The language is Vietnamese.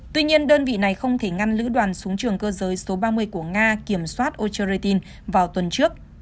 tuy nhiên đơn vị này không thể ngăn lữ đoàn xuống trường cơ giới số ba mươi của nga kiểm soát ocherratin vào tuần trước